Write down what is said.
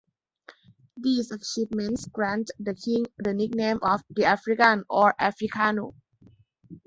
These achievements granted the king the nickname of "the African" or "Africano".